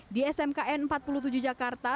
di smkn empat puluh tujuh jakarta